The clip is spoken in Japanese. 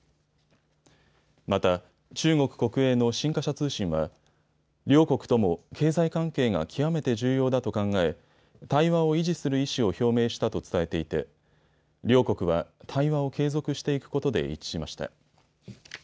また中国国営の新華社通信は両国とも経済関係が極めて重要だと考え対話を維持する意思を表明したと伝えていて両国は対話を継続していくことで一致しました。